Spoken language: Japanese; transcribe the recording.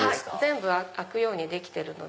全部開くようにできてるので。